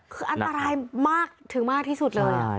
คืออันตรายมากถึงมากที่สุดเลย